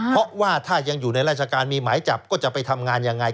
เพราะว่าถ้ายังอยู่ในราชการมีหมายจับก็จะไปทำงานยังไง